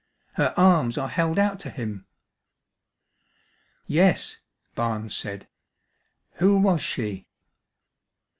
Her arms are held out to him." "Yes," Barnes said. "Who was she?"